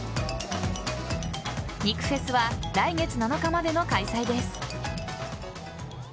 肉フェスは来月７日までの開催です。